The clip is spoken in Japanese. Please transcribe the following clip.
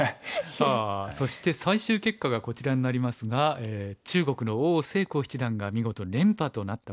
さあそして最終結果がこちらになりますが中国の王星昊七段が見事連覇となったわけですね。